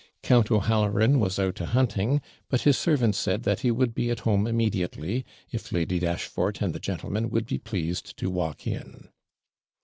Count O'Halloran was out a hunting; but his servant said 'that he would be at home immediately, if Lady Dashfort and the gentlemen would be pleased to walk in.'